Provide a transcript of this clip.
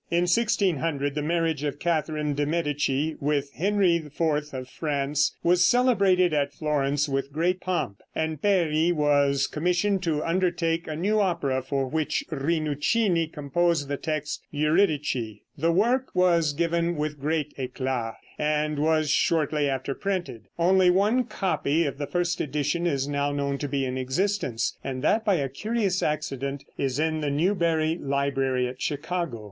In 1600 the marriage of Catherine de Medici with Henry IV of France was celebrated at Florence with great pomp, and Peri was commissioned to undertake a new opera, for which Rinuccini composed the text "Eurydice." The work was given with great éclat, and was shortly after printed. Only one copy of the first edition is now known to be in existence, and that, by a curious accident, is in the Newberry Library at Chicago.